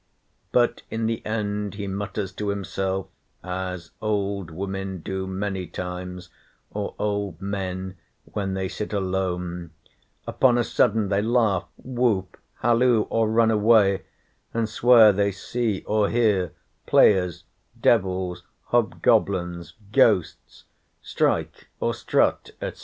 but in the end he mutters to himself, as old women do many times, or old men when they sit alone; upon a sudden they laugh, whoop, halloo, or run away, and swear they see or hear Players, Devils, Hobgoblins, Ghosts, strike, or strut, &c.